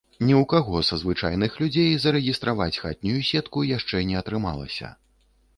Ні ў каго са звычайных людзей зарэгістраваць хатнюю сетку яшчэ не атрымалася.